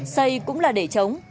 xây cũng là để chống